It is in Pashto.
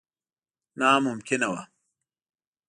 ناممکنه وه.